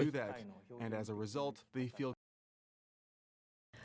hikikomori là những người không thực hiện được điều đó